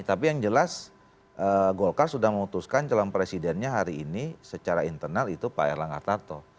tapi yang jelas golkar sudah memutuskan calon presidennya hari ini secara internal itu pak erlangga tarto